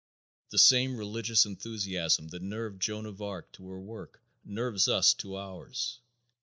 The same religious enthusiasm that nerved Joan of Arc to her work nerves us to ours.